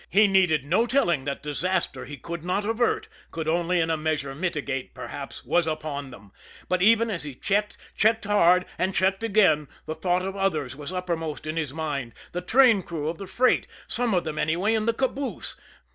He needed no telling that disaster he could not avert, could only in a measure mitigate, perhaps, was upon them; but even as he checked, checked hard, and checked again, the thought of others was uppermost in his mind the train crew of the freight, some of them, anyway, in the caboose.